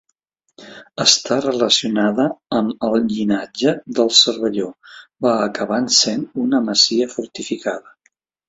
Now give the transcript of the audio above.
Està relacionada amb el llinatge dels Cervelló, va acabant sent una masia fortificada.